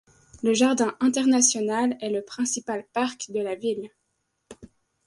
Le Jardin international est le principal parc de la ville.